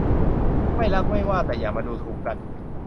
ไม่รักไม่ว่า แต่อย่ามาดูถูกกัน